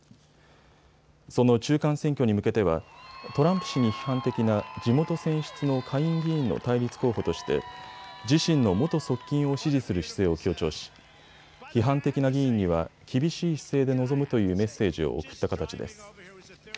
その中間選挙に向けてはトランプ氏に批判的な地元選出の下院議員の対立候補として自身の元側近を支持する姿勢を強調し批判的な議員には厳しい姿勢で臨むというメッセージを送った形です。